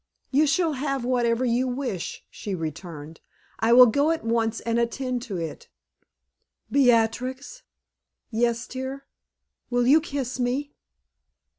"You shall have whatever you wish," she returned. "I will go at once and attend to it." "Beatrix." "Yes, dear." "Will you kiss me?"